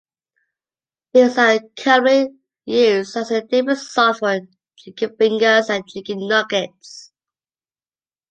These are commonly used as a dipping sauce for Chicken fingers and chicken nuggets.